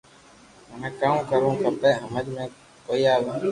مني ڪاو ڪروُ کپئ ھمج مي ڪوئي آو